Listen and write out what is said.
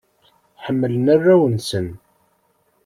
Ḥemmlen arraw-nsen.